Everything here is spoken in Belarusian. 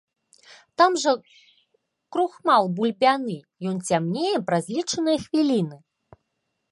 Там жа крухмал бульбяны, ён цямнее праз лічаныя хвіліны.